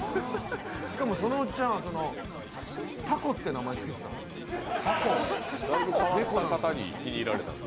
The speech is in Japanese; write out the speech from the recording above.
しかもそのおっちゃん、タコって名前つけてたんです。